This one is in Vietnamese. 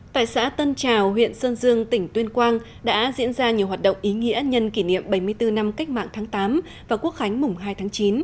tại xã tân trào huyện sơn dương tỉnh tuyên quang đã diễn ra nhiều hoạt động ý nghĩa nhân kỷ niệm bảy mươi bốn năm cách mạng tháng tám và quốc khánh mùng hai tháng chín